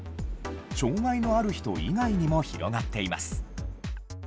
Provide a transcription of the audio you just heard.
障害のある人以外にも広がっています。